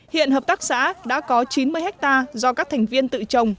hiện hợp tác xã đã có chín mươi hectare do các thành viên tự trồng